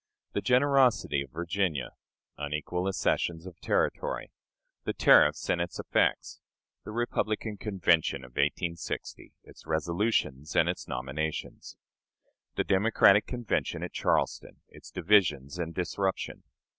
The Generosity of Virginia. Unequal Accessions of Territory. The Tariff and its Effects. The Republican Convention of 1860, its Resolutions and its Nominations. The Democratic Convention at Charleston, its Divisions and Disruption.